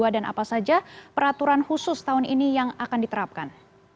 dan apa saja peraturan khusus tahun ini yang akan diterapkan